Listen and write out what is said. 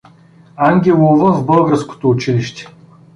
Ангелова в българското училище.